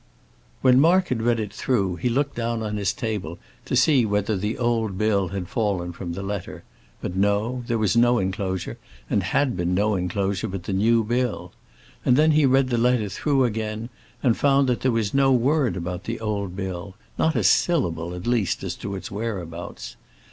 When Mark had read it through he looked down on his table to see whether the old bill had fallen from the letter; but no, there was no enclosure, and had been no enclosure but the new bill. And then he read the letter through again, and found that there was no word about the old bill, not a syllable, at least, as to its whereabouts.